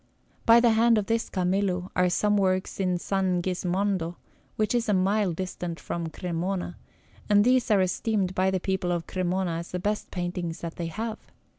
By the hand of this Camillo are some works in S. Gismondo, which is a mile distant from Cremona; and these are esteemed by the people of Cremona as the best paintings that they have.